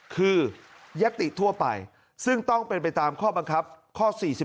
คือยัตติทั่วไปซึ่งต้องเป็นไปตามข้อบังคับข้อ๔๔